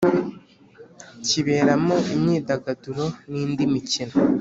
kiberamo imyidagaduro nindi mikino.